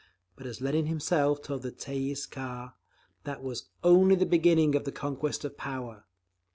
But as Lenin himself told the Tsay ee kah, that was "only the beginning of the conquest of power."